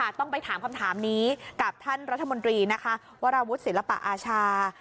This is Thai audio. ต้องไปถามคำถามนี้กับท่านรัฐมนตรีนะคะวราวุฒิศิลปะอาชา